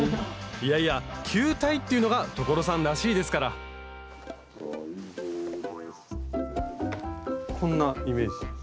いやいや球体っていうのが所さんらしいですからこんなイメージ。